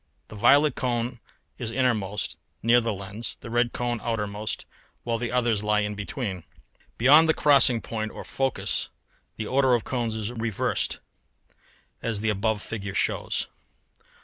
The violet cone is innermost, near the lens, the red cone outermost, while the others lie between. Beyond the crossing point or focus the order of cones is reversed, as the above figure shows.